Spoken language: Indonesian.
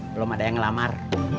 belum ada yang ngelamar